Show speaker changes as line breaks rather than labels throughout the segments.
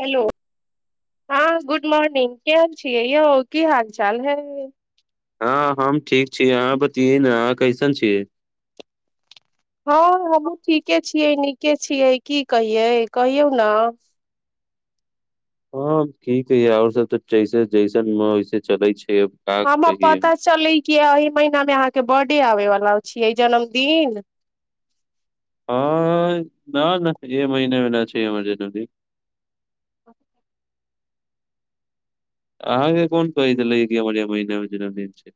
hello हाँ गु good morning के छियै यौ की हाल चाल है
हँ हम ठीक छी अहाँ बतिये ने अहाँ कैसन छियै
हँ हमहूँ ठीके छियै नीके छियै की कहिै कहियौ ने
हँ ठीक हय आओर सब तऽ जैसे जैसन वैसे चलै छै अब का
हम
कहियै
पता चल कि आइ महिना मे अहाँके बर्थडे आबे वला छियै जन्मदिन
हँ न न ए महिनेमे नहि छै हमर जन्मदिन अहाँके कोन कहै दलैक जे एहि महिना मे जन्मदिन छै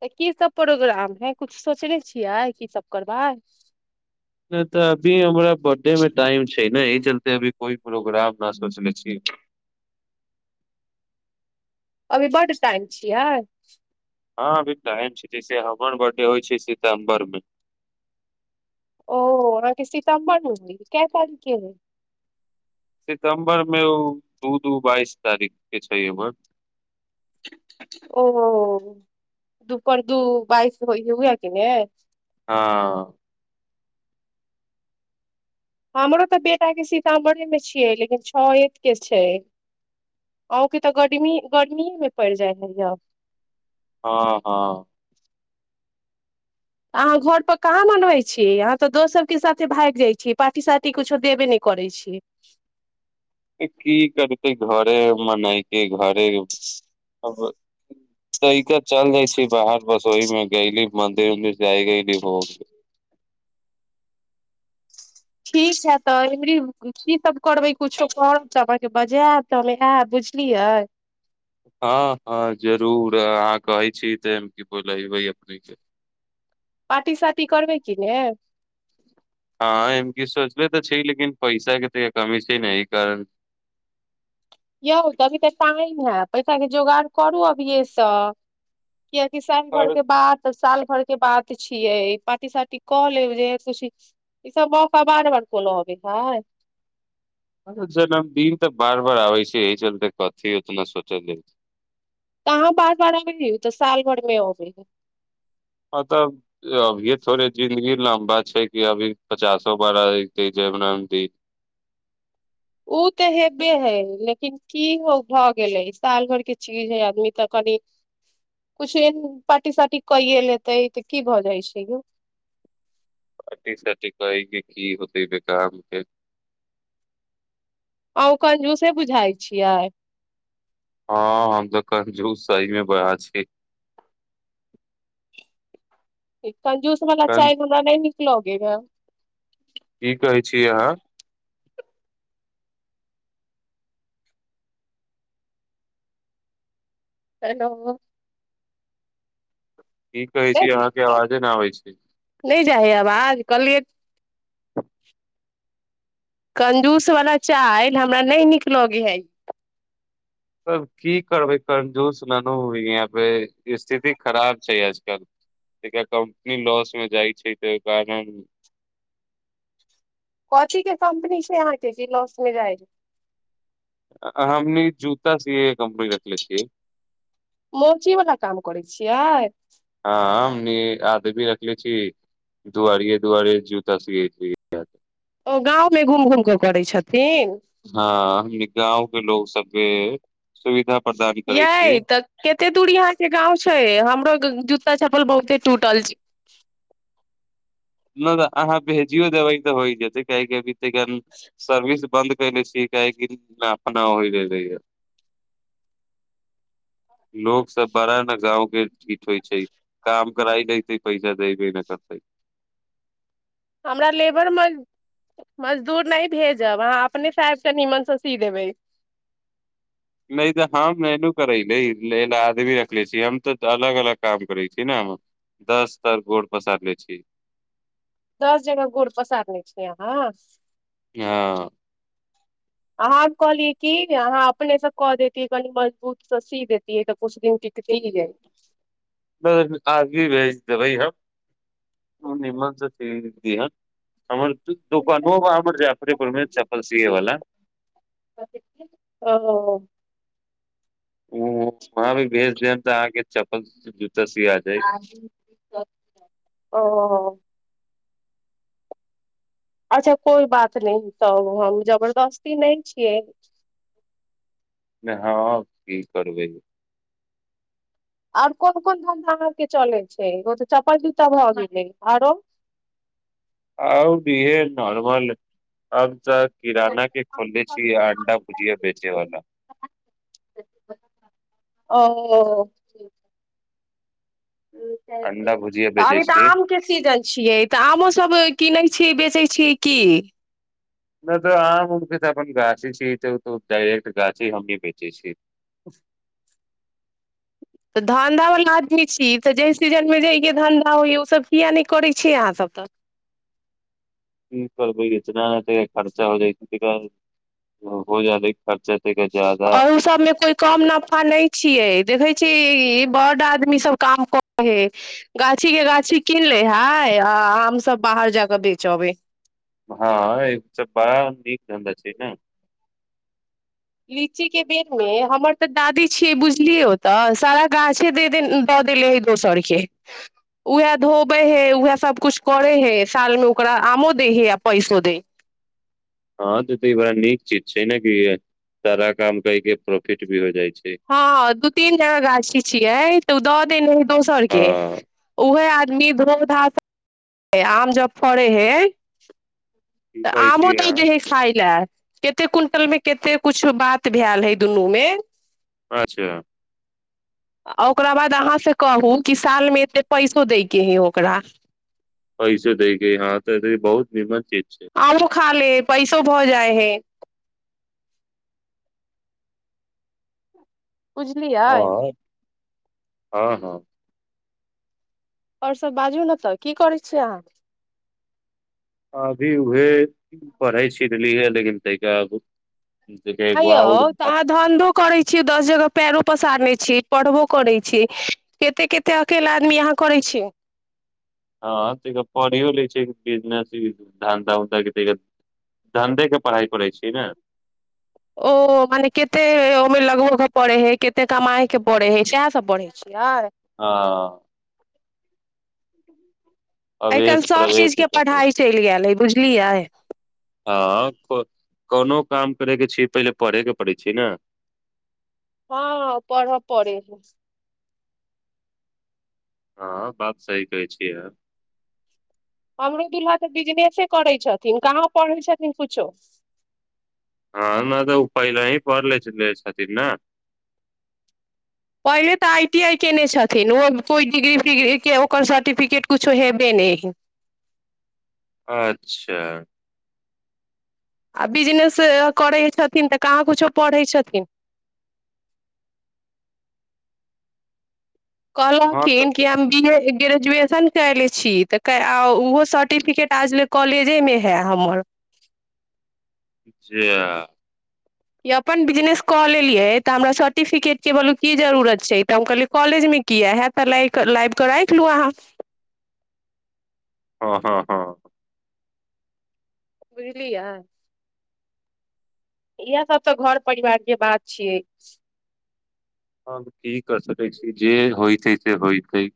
तऽ कीसभ प्रोग्राम है किछु सोचने छियै कीसभ करबै
नहि तऽ अभी हमरा बर्थडे मे टाइम छै एहि चलते अभी कोइ प्रोग्राम न सोचले छीिय
अभी बड्ड टाइम छियै
हँ अभी टाइम छै जैसे हमर बर्थडे होइ छै सितम्बर मे
ओ अहाँके सितम्बर मे होई क तारीख के रहै
सितम्बर मे ओ दू दू बाइस तारीख के छै हमर
ओ दुपर दू बाइस हो हुए कि ने
हाँ अ
हमरो तऽ बेटाके सीतामामढ़ेमे छियै लेकिन छओ रते छै अहुँके तऽ गर्मी गर्मिएमे पड़ि जाइ हए
हँ हँ
अहाँ घरपर कहाँ मनबै छीियै अहाँ तऽ दोस्त सभके साथे भागि जाइ छी पार्टी सार्टी किछो देबे नहि करै छी
की करते घरे मनायके घरे तहिके चल जाै छै बाहर बस ओहिमे गयली मन्दिर उन्दिर जाययली हो गेली
ठीक है तऽ एमरी कीसभ करबै किछो करब तऽ अहाँके बजायब तऽ हम आयब बुझलियै
हँ हँ जरूर अहाँ कहै छी त कि बोलबे अपने के
पार्टी साटी करबै कि ने
हँ ए कि सोचबे तऽ छै लेकिन पैसा के तऽ कमी छै ने ई कारण
यौ तऽ अभी तऽ टाइम है पैसाके जोगड़ करू अभियएसँ कियकि सात घर
आओर
के बात साल भर के बाद छियै ई पार्टी सार्टी कह लेब जे ई सब मौका बार बार कोनो अबे है
जन्मदिन तऽ बार बार आबै छै एहि चलते कथी उतना सोचल
तहाँ बार बार अबे है उ तऽ साल भर मे अबै है
अ तबभ थोड़े जिन्दगी ल बात छै कि अभी पचासो बारी जेब नाम दी
ओ तऽ हेबे है लेकिन की भऽ गेलै साल भर के चीज है आदमी तऽ कनि कछो एन पार्टी सार्टी कयए लेतै तऽ की भऽ जाइ छै यौ
पार्टी सेटिफाइंग की होतै बे कामके
अहूँ कंजूसे बुझाइ छियै
हँ हम तऽ कंजूस सहीमे बा छी
[inaudible] त ज्यूस मरा
कन
चाय मनना नहि लोगे ग
की कहै छी अहाँ
हेलो
की कहै छी अहाँके आवाज न आबै छै
नहि जाय हय आबाज कहलिये कंजूस वला चालि हमरा नहि नीक लगै हइ
तब की करबै कमजोस हो यहाँ पे स्थिति खराब छै आजकल कम्पनी लॉस मे जाइ छै तऽहि कारण
कथी के कम्पनी छै अहाँके जे लॉस मे जाय
हमनी जूता स कम रखले छियै
मौचीवला काम करै छियै
भी रखले छी दुआरिए दुआरि जूता सियै
ओ गाँवमे घुम घुम कऽ करैत छथिन
हँ गाँव के लोग सबके सुविधा प्रदान करै छियै
यइ तऽ कते दूर अहाँ के गाउँ छै हमरो ज जूता चप्पल बहुते टूटल छै
नहि तऽ अहाँ भेजियो दवइ तऽ होइ जेतै कभी सन सर्विस बन्द क ले छियै काहेक न अपना हो रहले ह लोको सब बड़ा ने गाँव के ठीक होइ छै काम कराइ लते पैसा देबे न करते
हमरा लेबरज मजदूर नहि भेजब अहाँ अपनेसँ आब कऽ नीमनसँ सी देबै
नहि तऽ हम एू करै ले लए आदमी रखले छीिय हम तऽ अलग अलग काम करै छी ने हम दस तर गोर पसारले छी
दस जना गोड़ पसारने छै अहँ
हँ
अहाँ कहलियै की अहाँ अपने से क देतियै कनि मजबूत से सी देतियै कुछ दिन टिकतियै
आगे भेज देबै हम ह निमस कदय हमर दोकानो बार जाफरपुर मे चप्पल सीए वाला
ओ
ओ भी बेच देम तऽ अहाँके चप्पल ज
ओ अच्छा कोइ बात नहि तब हम जबरदस्ती नहि छियै
ने हाँ की करबै
आर कोन कोन धंधा आर के चलै छै ओ तऽ चप्पल जूता भऽ गेलै आरो
आउ बिहे नर्मल आब किराना के खोलले छी अंडा भुजिया बेचेवालला
ओ
अंडा भुजिया बेचे
अभी तऽ
छी
आम के सीजन छियै तऽ आमो सब कीनै छी बेचै छीयै की
नहि तऽ आ उखे तऽ अपन गाछी छी त त डायर्ट गाछी हमनी बेचे छी
[inaudible] तऽ धन्धावला आदमी छी तऽ जाहि सीजनमे जाइके धन्धा होइए ओसभ किएक नहि करै छिय अहाँसभ तक
क इतना नहि त खर्चा हो जाइ हो जाै
र ओ सबमे कोइ कम नफा नहि छियै देखै ा बड आदमी सब काम करै हे गाछी के गाछी कीन ले हे आ हमसभ बाहर जााकऽ बेचबै
हँ एक सब बड़ा नीक धधा छै ने
लीचीके बेरमे हमर तऽ दादी छियै बुझलियै तऽ सारा गाछे दे दऽ देले हइ दोसरके उएह धोबै हइ उएह सभकिछु करै हइ सालमे ओकरा आमो दै हइ आ पैसो दै हइ
हँ त तऽ ई बड़ा नीक चीज छै ने क सारा काम क के प्रोफिट भी हो जाइ छै
हँ दू तीन जना गाछी छियै तऽ उ दर तन दो सए के
हँ
उह आ आदमी धोम धा आम जब फड़े है
की
तऽ
कहै
आमो
छी
तऽ
अहाँ
जे हे खााय लए कते क्विंटल मे कते कुछु बात भेल हे दुनूमे
अच्छा
आ ओकरा बाद अहाँ से कहू कि सालमे एते पैसो दैके हइ ओकरा
पैसे दै ग हँ तऽ ई बहुत नीम्मन चीज छै
शुभ हो जाए है उुजलिय
हँ हँ हँ
आओर सभ बाजू ने तऽ की करै छियै अहाँ
अभी उह पढ़ाइ छनली है लेकिन तैब
आ यौ तऽ अहाँ धन्धो करै छीयै दस जगह पैरो पसारने छी पढ़बो करै छी कते कते अकेला आदमी यहाँ करै छी
हँ त पढ़ियो लै छ बिजनेस धन्धा उन्धा त धन्धे के पढ़ाइ करै छिय ने
ओ मने कते ओहिमे लगभो पड़े हय कते कमाायके पड़े हय सएह सभ बढ़े छै
ह
आइ
अवेश
काल्हि सभ चीज
प्रवेश ई
के
सब पढ़ै
पढ़ाइ चलि गेल अइ बुझल की आ
हँ कोनो काम करैके छिय पहिले पढ़ेके पड़ै छै ने
हँ पढ़ब पड़े छै
हँ बात सही कहै छियै य
अमरुदल्हा तऽ बिजनेसे करै छथिन कहाँ पढ़ै छथिन किछो
हँ न तऽ ओ पहिला ही पले छथिन ने
पहिले तऽ आइ टी आइ कयने छथिन ओ कोइ डिग्री फटिग्रीके ओकर सर्टिफिकेट किछो हेबे नहि
अच्छा
आ बिजनेस करै छथिन तऽ कहाँ कछो पढ़ै छथिन कहल
हँ तऽ
कठिन किी हम बि ग्रेजुएशन कले छी तऽ ओहो सर्टिफिकेट आजल कॉलेजेमे है हमर
जे
य अपन बिजनेस कऽ लेलियै तऽ हमरा सर्टिफिकेटके बो की जरूरत छै तऽ हम कहलियै कॉलेजमे किया हत तऽ लाइ कऽ राखि लू अहाँ
ह हँ हँ
बुझलिय इएहसभ तऽ घर परिवारके बात छियै
ह की कर सकै छी जे होइ छैइ से होइ ई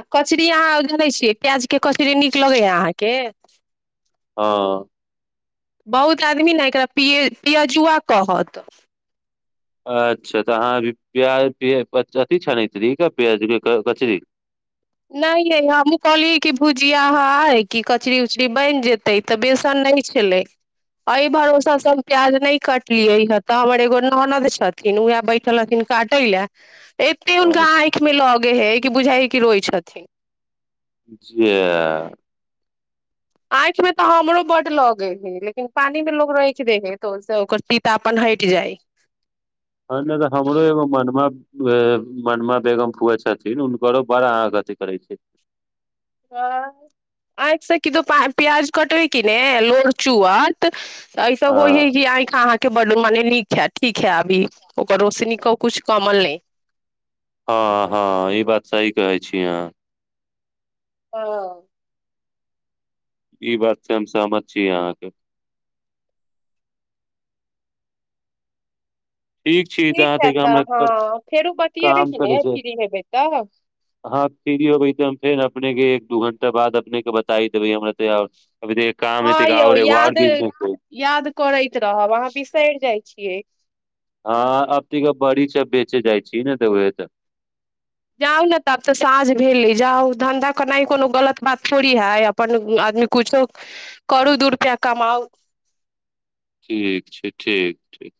आ कचरी अहाँ जनै छियै प्याजके कचरी नीक लगैए अहाँके
हँ
बहुत आदमी ने एकरा पिय पियजुआ कहत
अच्छा तऽ अहाँभी प्याज अथि छ ने इ प्याज कचरी
नहि य हमहूँ कहलियै कि भुजियाइ कि कचरी उचरी बनि जेतै तऽ बेसन नहि छलै एहि भरोसा सभ प्याज नहि कटलियै हे तऽ हमर एगो ननद छथिन उएह बैठल हथिन काटय लए एते हुनका
अच्छा
आँखि में लगे है बुझाइ कि रो अच्छ थ
जेिय
आँखिमे तऽ हमरो बड लगै हय लेकिन पानिमे लोक राखि दे है तऽ ओहिसँ ओकर तीता अपन हटि जाय
ह नहि तऽ हमरो ए मनमे मनमा बेगम फुए छथिन हुनकरो बड़ा अह अथि करै छै
आँखिसँ किदो प्याज कटबै कि ने लोर चुअत ऐसे
हँ
होय हय क कि आँख अहाँके ब मने नीक है ठीक है अभी ओकर रोशनी क किछु कमल नहि
हँ हँ ई बात सही कहै छी अह
ह
ई बात से हम सहमत छी अहाँके ठीक छी
है
तऽह काम
तऽ हँ फेरो बतियेबै कि
करै
ने
छै
फ्री हेबै तऽ
हह फ्री होबै तऽ फेर अपनेके दू घण्टा बाद अपनेके बताइ देबै हमरा तऽ यार
हँ यौ याद याद करैत रहब अहाँ बिसरि जाइ छी छियै
हँ अब तऽ बड़ी छै बेचे जाइ छीिय ने तऽ उे तऽ
जाउ ने तब तऽ साँझ भेली जाउ धन्धा केना कोनो गलत बात थोड़ी हइ अपन आदमी किछो करू दू रुपैआ कमाउ
ठीक छै ठीक ठीक